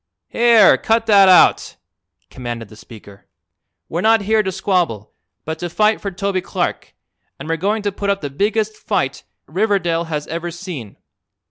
"Here, cut that out!" commanded the speaker. "We're not here to squabble, but to fight for Toby Clark, and we're going to put up the biggest fight Riverdale has ever seen.